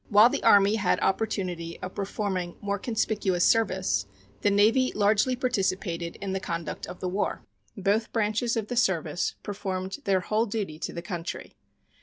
While the Army had opportunity of performing more conspicuous service, the Navy largely participated in the conduct of the war. Both branches of the service performed their whole duty to the country.